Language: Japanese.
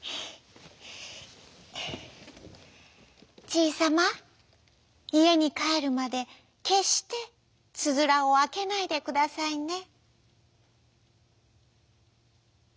「じいさまいえにかえるまでけっしてつづらをあけないでくださいね」。